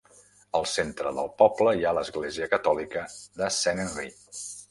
Al centre del poble hi ha l'església catòlica de Saint Henry.